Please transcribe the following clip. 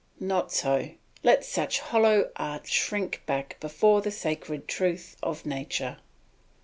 Not so; let such hollow arts shrink back before the sacred truth of nature.